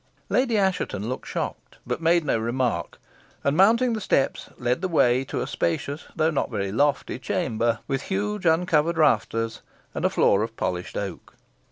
Lady Assheton looked surprised, but made no remark, and mounting the steps, led the way to a spacious though not very lofty chamber, with huge uncovered rafters, and a floor of polished oak.